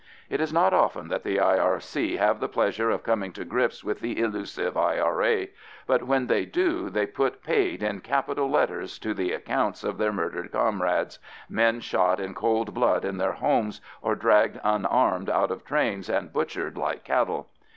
It is not often that the R.I.C. have the pleasure of coming to grips with the elusive I.R.A., but when they do they put paid in capital letters to the accounts of their murdered comrades, men shot in cold blood in their homes, or dragged unarmed out of trains and butchered like cattle.